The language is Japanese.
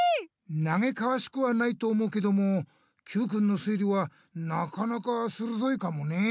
なげかわしくはないと思うけどもＱくんの推理はなかなかするどいかもね。